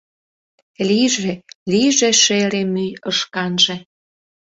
Лийже, лийже шере мӱй ышканже?